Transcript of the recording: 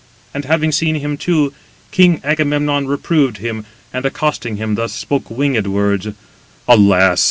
And having seen him too, king Agamemnon reproved him, and accosting him thus, spoke winged words: "Alas!